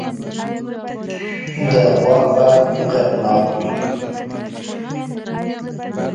د غوا غږ غږناک وي.